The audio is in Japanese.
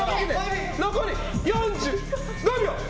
残り４５秒！